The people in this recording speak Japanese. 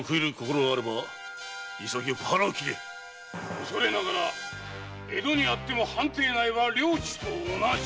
おそれながら江戸にあっても藩邸内は領地と同じ。